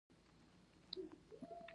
د چاپېریال ککړتیاوې د ستونزو هوارول دي.